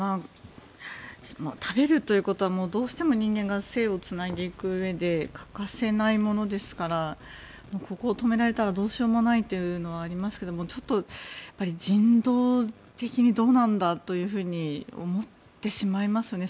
食べるということはどうしても人間が生をつないでいくうえで欠かせないものですからここを止められたらどうしようもないのはありますがちょっと人道的にどうなんだと思ってしまいますね。